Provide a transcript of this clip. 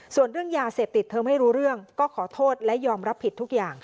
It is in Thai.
ส่วนเรื่องยาเสพติดเธอไม่รู้เรื่องก็ขอโทษและยอมรับผิดทุกอย่าง